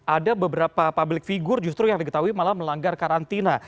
ada beberapa public figure justru yang diketahui malah melanggar karantina